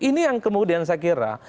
ini yang kemudian saya kira